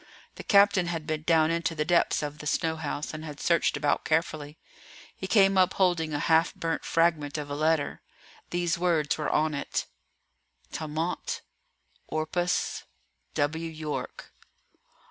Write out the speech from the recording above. The captain had been down into the depths of the snow house, and had searched about carefully. He came up holding a half burnt fragment of a letter. These words were on it: ... tamont ... orpoise ... w York.